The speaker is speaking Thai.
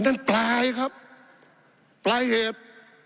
นั่นปลายครับปลายเหตุ